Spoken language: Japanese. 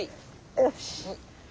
よし。